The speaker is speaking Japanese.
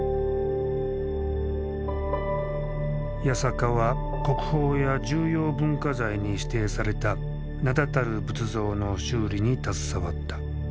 八坂は国宝や重要文化財に指定された名だたる仏像の修理に携わった。